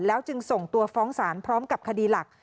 จึงส่งตัวฟ้องศาลพร้อมกับคดีหลัก